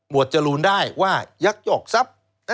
จรูนได้ว่ายักยอกทรัพย์